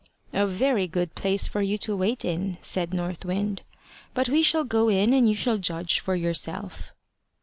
"A very good place for you to wait in," said North Wind. "But we shall go in, and you shall judge for yourself."